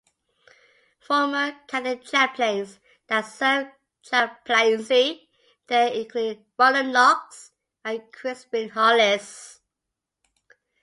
Former Catholic chaplains that served the chaplaincy there include Ronald Knox and Crispian Hollis.